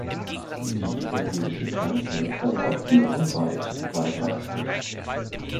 Die italienische Grenze verläuft nur unweit weiter östlich.